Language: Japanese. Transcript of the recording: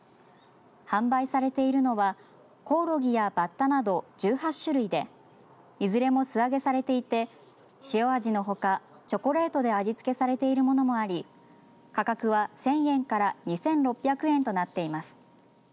販売されているのはコオロギやバッタなど１８種類でいずれも素揚げされていて塩味のほかチョコレートで味付けされているものもあり価格は１０００円から２６００円となっています。